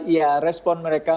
ya respon mereka